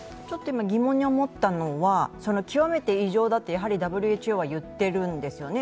今、疑問に思ったのは極めて異常だとＷＨＯは言っているんですね。